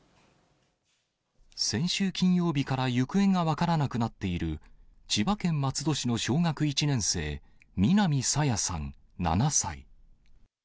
先週金曜日から行方が分からなくなっている、千葉県松戸市の小学１年生、南朝芽さん７歳。